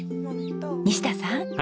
西田さん